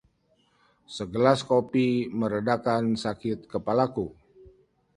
Segelas kopi meredakan sakit kepalaku.